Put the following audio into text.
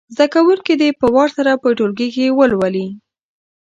زده کوونکي دې په وار سره په ټولګي کې ولولي.